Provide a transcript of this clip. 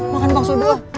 makan bakso dulu